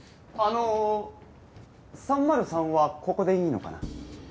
あの３０３はここでいいのかな？